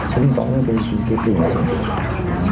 tính toán cái chính sách của khu vực này